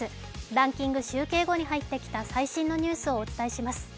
ランキング集計後に入ってきた最新のニュースをお届けします。